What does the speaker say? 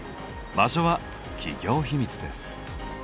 場所は企業秘密です。